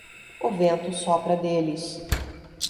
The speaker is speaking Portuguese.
O vento sopra deles